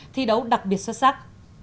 thi đấu đặc biệt xuất sắc